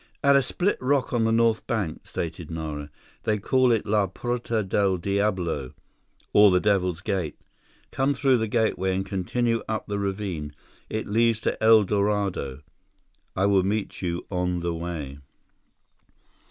"At a split rock on the north bank," stated Nara, "They call it La Porta Del Diablo, or the Devil's Gate. Come through the gateway and continue up the ravine. It leads to El Dorado. I will meet you on the way."